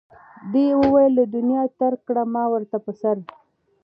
ده وویل له دنیا ترک کړه ما ورته په سر.